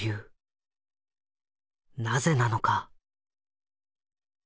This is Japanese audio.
なぜなのか。